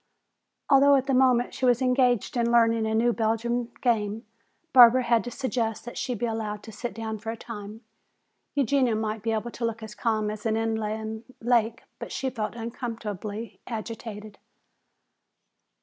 Although at the moment she was engaged in learning a new Belgian game, Barbara had to suggest that she be allowed to sit down for a time. Eugenia might be able to look as calm as an inland lake, but she felt uncomfortably agitated.